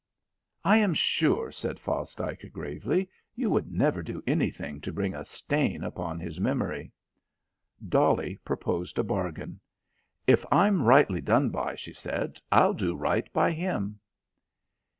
"I am sure," said Fosdike gravely, "you would never do anything to bring a stain upon his memory." Dolly proposed a bargain. "If I'm rightly done by," she said, "I'll do right by him."